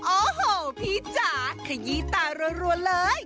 โอ้โหพี่จ๋าขยี้ตารัวเลย